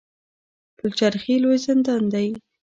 پل چرخي لوی زندان دی